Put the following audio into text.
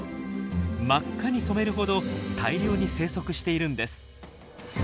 真っ赤に染めるほど大量に生息しているんです。